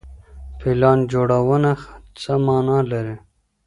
پلان جوړونه څه معنا لري؟